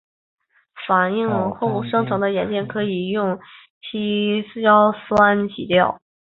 反应后生成的银镜可以用稀硝酸洗掉。